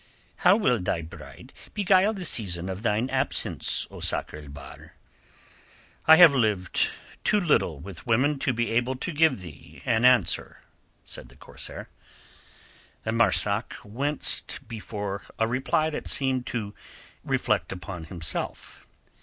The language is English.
"How will thy bride beguile the season of thine absence, O Sakr el Bahr?" "I have lived too little with women to be able to give thee an answer," said the corsair. Marzak winced before a reply that seemed to reflect upon himself.